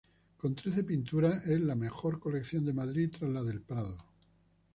Con trece pinturas, es la mejor colección de Madrid tras la del Prado.